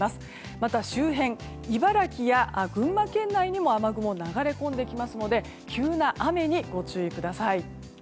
また周辺、茨城や群馬県内にも雨雲が流れ込んできますので急な雨にご注意ください。